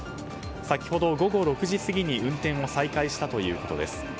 先ほど午後６時過ぎに運転を再開したということです。